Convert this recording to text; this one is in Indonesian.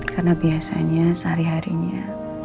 karena biasanya sehari harinya